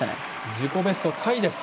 自己ベストタイです。